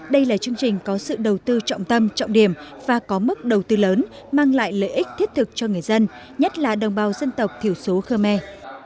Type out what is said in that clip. đây là chương trình có sự đầu tư trọng tâm trọng điểm và có mức đầu tư lớn mang lại lợi ích thiết thực cho người dân nhất là đồng bào dân tộc thiểu số khơ me